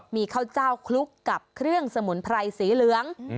มีข้าวเจ้าคลุกกับเครื่องสมุนไพรสีเหลือง